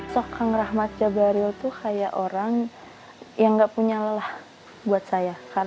sokang rahmat jabario itu kayak orang yang gak punya lelah buat saya